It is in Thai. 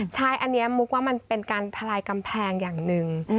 ใช่อันนี้มุกว่ามันเป็นการทลายกำแพงอย่างหนึ่ง